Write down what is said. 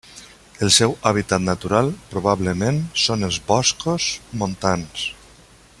El seu hàbitat natural probablement són els boscos montans.